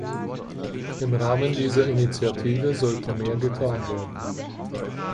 Im Rahmen dieser Initiative sollte mehr getan werden.